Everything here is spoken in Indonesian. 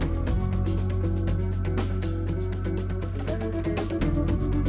dan sekali lagi pak jokowi sukses